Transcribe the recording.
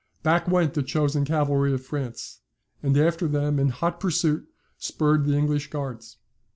Back went the chosen cavalry of France; and after them, in hot pursuit, spurred the English Guards.